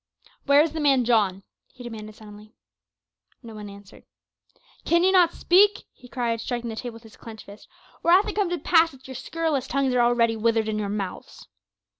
"Where is the man John?" he demanded suddenly. No one answered. "Can ye not speak?" he cried, striking the table with his clenched fist, "or hath it come to pass that your scurrilous tongues are already withered in your mouths?"